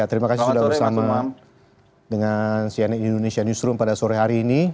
terima kasih sudah bersama dengan cnn indonesia newsroom pada sore hari ini